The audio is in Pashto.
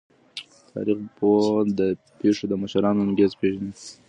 تاریخ پوه د پیښو د مشرانو انګیزې پیژني.